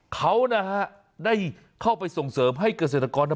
เขานะฮะได้เข้าไปส่งเสริมให้เกษตรกร